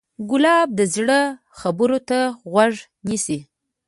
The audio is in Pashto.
ګلاب د زړه خبرو ته غوږ نیسي.